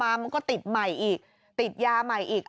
เอามาก็ติดไม่อีกติดยาใหม่อีก